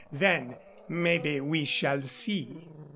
Then, maybe, we shall see."